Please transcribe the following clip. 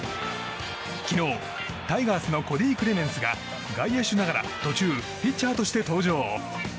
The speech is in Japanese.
昨日、タイガースのコディ・クレメンスが外野手ながら途中ピッチャーとして登場。